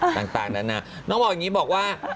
ต่างนั้นนะน้องบอกอย่างนี้บอกว่า